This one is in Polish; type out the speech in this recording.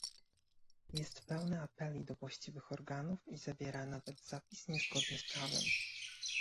Jest pełne apeli do właściwych organów i zawiera nawet zapis niezgodny z prawem